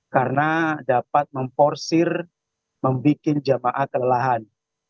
karena dapat memporsir membuat jemaah kelelahan